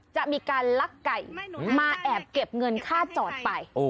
จะมีการลักไก่มาแอบเก็บเงินค่าจอดไป